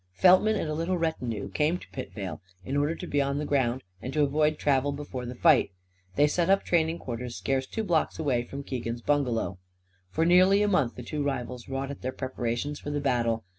Feltman and a little retinue came to Pitvale, in order to be on the ground, and to avoid travel before the fight. They set up training quarters scarce two blocks away from Keegan's bungalow. For nearly a month the two rivals wrought at their preparations for the battle.